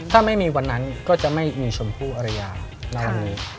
ถ้าไม่มีวันนั้นก็จะไม่มีชมพู่อรยาหน้านี้